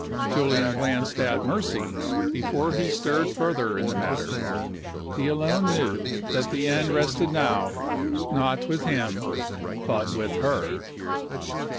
Julian glanced at Mercy before he stirred further in the matter. He alone knew that the end rested now not with him but with her.